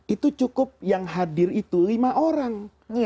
itu cukup yang hadir itu lima orang